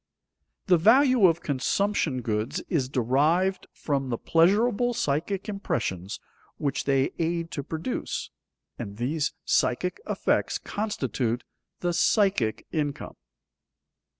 _The value of consumption goods is derived from the pleasurable psychic impressions which they aid to produce, and these psychic effects constitute the psychic income.